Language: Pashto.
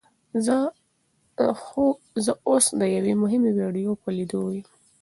زه اوس د یوې مهمې ویډیو په لیدو یم.